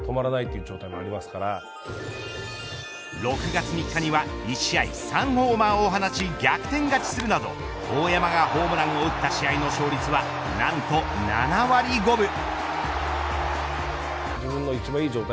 ６月３日には１試合３ホーマーを放ち逆転勝ちするなど大山がホームランを打った試合の勝率は何と７割５分。